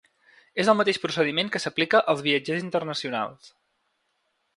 És el mateix procediment que s'aplica als viatgers internacionals.